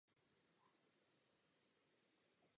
Spravuje ho státní podnik Povodí Ohře.